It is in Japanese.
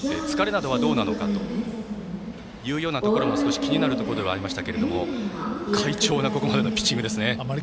疲れなどはどうなのかというようなところも少し気になるところではありましたが快調のここまでのピッチング。